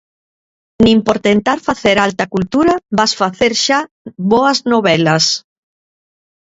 Nin por tentar facer alta cultura vas facer xa boas novelas.